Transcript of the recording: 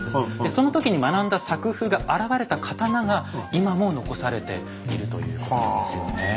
その時に学んだ作風があらわれた刀が今も残されているということですよね。